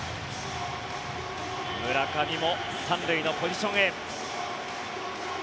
村上も３塁のポジションへ。